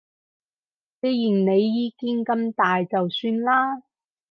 既然你意見咁大就算啦